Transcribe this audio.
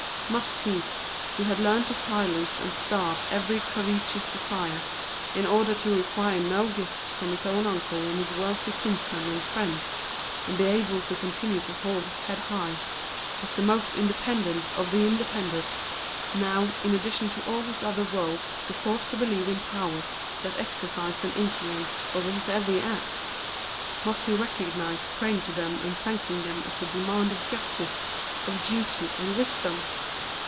Must he, who had learned to silence and to starve every covetous desire, in order to require no gifts from his own uncle and his wealthy kinsman and friend, and be able to continue to hold his head high, as the most independent of the independent, now, in addition to all his other woe, be forced to believe in powers that exercised an influence over his every act? Must he recognise praying to them and thanking them as the demand of justice, of duty, and wisdom?